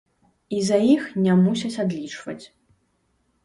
І за іх не мусяць адлічваць.